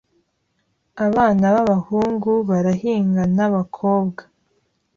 Abana ’abahungu barahinganabakobw